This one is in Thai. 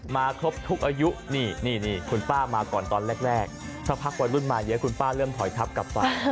มาครบทุกอายุนี่คุณป้ามาก่อนตอนแรกสักพักวัยรุ่นมาเยอะคุณป้าเริ่มถอยทับกลับไป